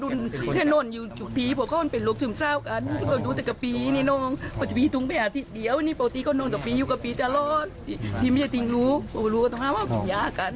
นอนก็ไม่เคยเหล้าแหละค่ะ